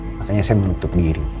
makanya saya menutup diri